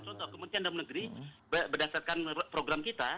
contoh kementerian dalam negeri berdasarkan program kita